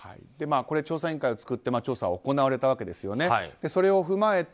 調査委員会を作って調査が行われたわけですよね。